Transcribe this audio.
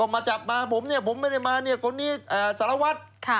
มาจับมาผมเนี่ยผมไม่ได้มาเนี่ยคนนี้สารวัตร